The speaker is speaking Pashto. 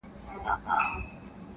له ازله د خپل ځان په وینو رنګ یو-